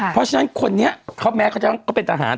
เพราะฉะนั้นคนนี้เขาแม้เขาจะก็เป็นทหาร